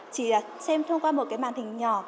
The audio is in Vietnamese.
chỉ xem thông qua một cái màn hình nhỏ